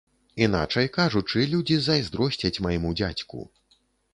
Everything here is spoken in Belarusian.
Іначай кажучы, людзі зайздросцяць майму дзядзьку.